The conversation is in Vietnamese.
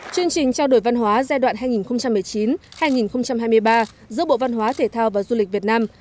chương trình trao đổi văn hóa giai đoạn hai nghìn một mươi chín hai nghìn hai mươi ba giữa bộ văn hóa thể thao và du lịch việt nam